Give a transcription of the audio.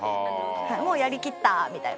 もうやりきったみたいな。